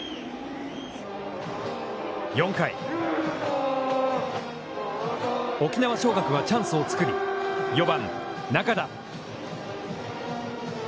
４回、沖縄尚学はチャンスを作り４番、仲田。